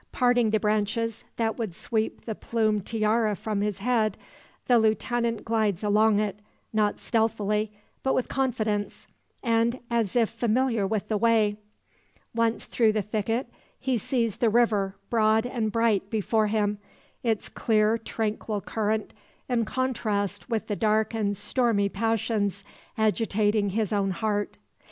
Parting the branches, that would sweep the plumed tiara from his head, the lieutenant glides along it, not stealthily, but with confidence, and as if familiar with the way. Once through the thicket, he sees the river broad and bright before him: its clear tranquil current in contrast with the dark and stormy passions agitating his own heart.